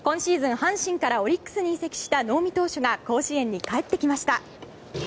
阪神からオリックスに移籍した能見投手が甲子園に帰ってきました。